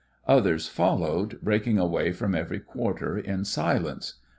Others followed, breaking away from every quarter in silence.